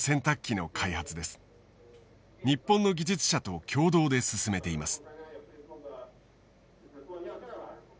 日本の技術者と共同で進めています。